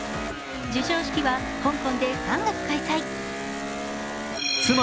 授賞式は香港で３月開催。